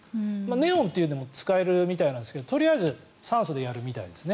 ネオンというのも使えるみたいなんですけどとりあえず酸素でやるみたいです